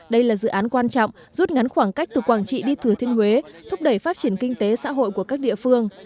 đây là dự án quan trọng rút ngắn khoảng cách từ quảng trị đi thừa thiên huế thúc đẩy phát triển kinh tế xã hội của các địa phương